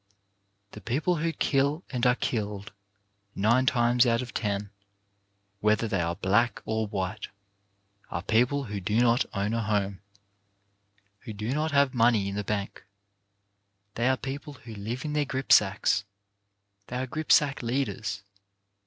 The people who kill and are killed, nine times out of ten, whether they are black or white, are people who do not own a home, who do not have money in the bank. They are people who live in their gripsacks. They are gripsack leaders.